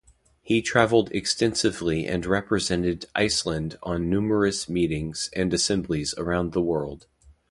He travelled extensively and represented Iceland on numerous meetings and assemblies around the world.